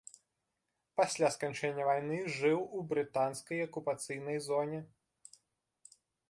Пасля сканчэння вайны жыў у брытанскай акупацыйнай зоне.